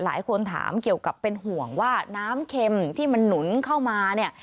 หลายคนถามเกี่ยวกับเป็นห่วงว่าน้ำเข็มที่มันหนุนเข้ามาเนี่ย